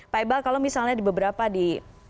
pak iqbal kalau misalnya di beberapa di